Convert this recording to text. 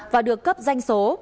và được cấp danh số